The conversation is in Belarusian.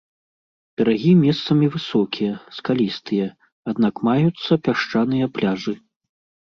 Берагі месцамі высокія, скалістыя, аднак маюцца пясчаныя пляжы.